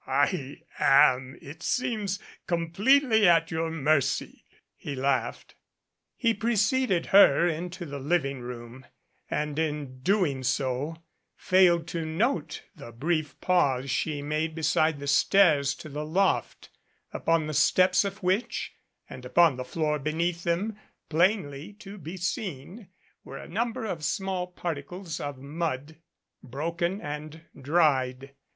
"I am, it seems, completely at your mercy," he laughed. He preceded her into the living room and in doing so failed to note the brief pause she made beside the stairs to the loft, upon the steps of which, and upon the floor beneath them, plainly to be seen were a number of small particles of mud, broken and dried.